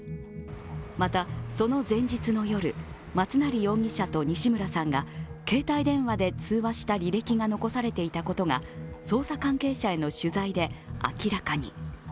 またその前日の夜、松成容疑者と西村さんが携帯電話で通話した履歴が残されていたことが捜査関係者への取材で明らかに。